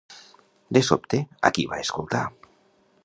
De sobte, a qui va escoltar?